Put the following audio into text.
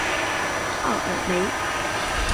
奥尔梅。